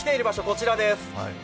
こちらです。